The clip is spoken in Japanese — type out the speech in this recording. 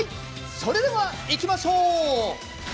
それでは、いきましょう。